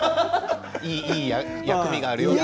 いい薬味があるよって。